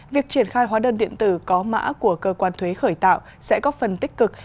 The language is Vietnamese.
việc triển khai hóa đơn điện tử có mã của cơ quan thuế khởi tạo sẽ góp phần tích cực